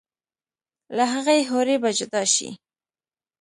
لۀ هغې حورې به جدا شي